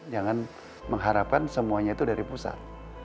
jangan mengharapkan semuanya itu dari pusat